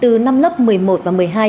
từ năm lớp một mươi một và một mươi hai